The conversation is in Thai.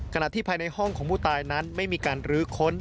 ขณะที่ภายในห้องของผู้ตายนั้นไม่มีการลื้อค้น